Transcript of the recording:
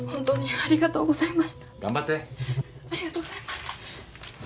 ありがとうございます。